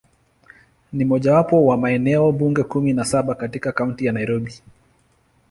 Ni mojawapo wa maeneo bunge kumi na saba katika Kaunti ya Nairobi.